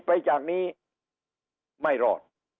ไปจากนี้ไม่รอด